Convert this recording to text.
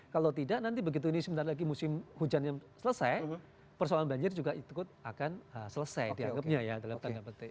kalau tidak nanti begitu ini sebentar lagi musim hujannya selesai persoalan banjir juga ikut akan selesai dianggapnya ya dalam tanda petik